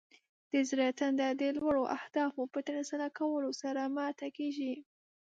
د زړه تنده د لوړو اهدافو په ترلاسه کولو سره ماته کیږي.